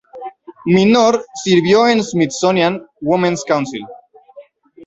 Minor sirvió en el Smithsonian Women's Council.